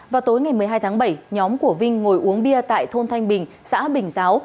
vào tối ngày một mươi hai tháng bảy nhóm của vinh ngồi uống bia tại thôn thanh bình xã bình giáo